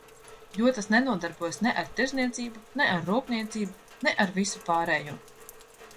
Jo tas nenodarbojas ne ar tirdzniecību, ne ar rūpniecību, ne ar visu pārējo.